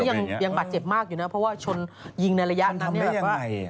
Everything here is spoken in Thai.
ตอนนี้ยังหมาเจ็บมากเลยเพราะว่าชนยิงในระยะนั้นนี่แบบว่า